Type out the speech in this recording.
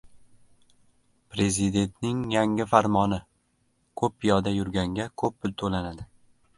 Prezidentning yangi farmoni: ko‘p piyoda yurganga ko‘p pul to‘lanadi